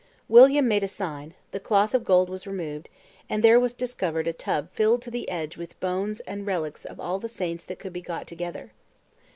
William made a sign; the cloth of gold was removed, and there was discovered a tub filled to the edge with bones and relies of all the saints that could be got together.